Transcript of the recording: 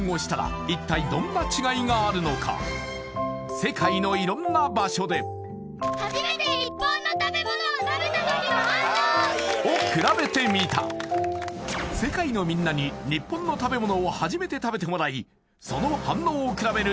世界の色んな場所でをくらべてみた世界のみんなに日本の食べ物を初めて食べてもらいその反応をくらべる